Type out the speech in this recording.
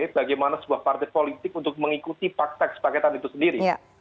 bagaimana sebuah partai politik untuk mengikuti fakta kesepakatan itu sendiri